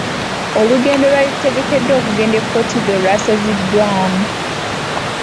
Olugendo olwali lutegekeddwa okugenda e Kotido lwasaziddwamu.